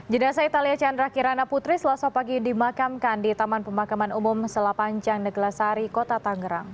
jenasa italia chandra kirana putri selasa pagi dimakamkan di taman pemakaman umum selapanjang neglasari kota tangerang